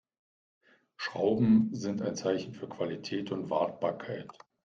Schrauben sind ein Zeichen für Qualität und Wartbarkeit.